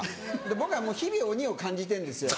僕はもう日々鬼を感じてるんですよ。